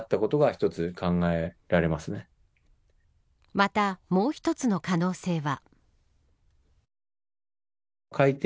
また、もう一つの可能性は。